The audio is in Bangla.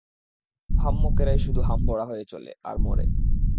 আহাম্মকেরাই শুধু হামবড়া হয়ে চলে, আর মরে।